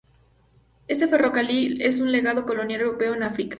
Este ferrocarril es un legado colonial europeo en África.